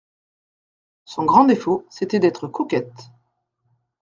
Son grand défaut, c'était d'être coquette.